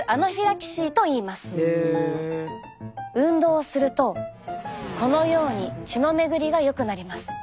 運動をするとこのように血の巡りがよくなります。